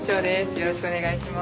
よろしくお願いします。